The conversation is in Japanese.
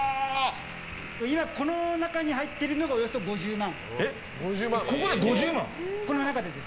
この中に入っているのがおよそ５０万。